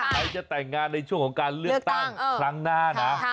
ใครจะแต่งงานในช่วงของการเลือกตั้งครั้งหน้านะ